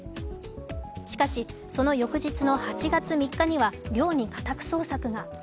しかし、その翌日の８月３日には寮に家宅捜索が。